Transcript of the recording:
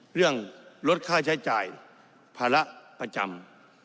เรื่องลดค่าใช้จ่ายภาระประจำ